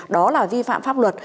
đó là vi phạm pháp luật